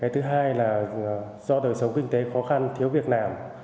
thứ hai là do đời sống kinh tế khó khăn thiếu việc làm